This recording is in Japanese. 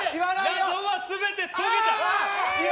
謎は全て解けた！